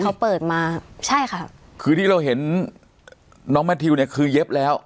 เขาเปิดมาใช่ค่ะคือที่เราเห็นน้องแมททิวเนี่ยคือเย็บแล้ว